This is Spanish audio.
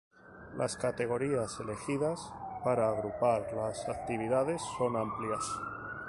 Las categorías elegidas para agrupar las actividades son amplias.